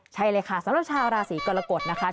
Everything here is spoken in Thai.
ใช่เลยค่ะสำหรับชาวราศีกรกฎนะคะ